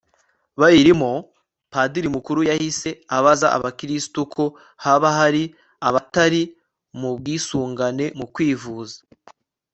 bayirimo. padiri mukuru yahise abaza abakristu ko haba hari abatari mu bwisungane mu kwivuza